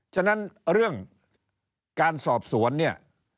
ฉะนั้นเรื่องการสอบสวนเนี่ย